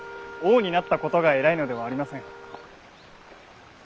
王になったことが偉いのではありません。